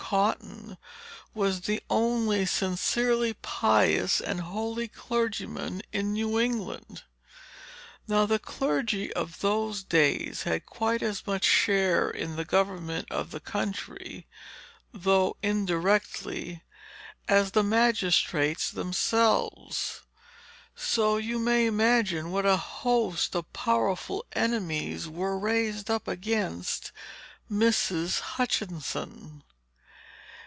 Cotton was the only sincerely pious and holy clergyman in New England. Now the clergy of those days had quite as much share in the government of the country, though indirectly, as the magistrates themselves; so you may imagine what a host of powerful enemies were raised up against Mrs. Hutchinson.